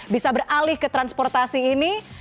bisa beralih ke transportasi ini